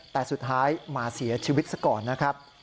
แต่สุดท้ายมาเสียชีวิตซะก่อนนะครับ